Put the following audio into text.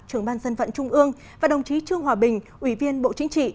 trưởng ban dân vận trung ương và đồng chí trương hòa bình ủy viên bộ chính trị